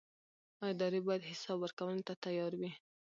ادارې باید حساب ورکونې ته تیار وي